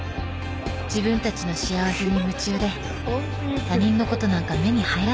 自分たちの幸せに夢中で他人のことなんか目に入らないんだ。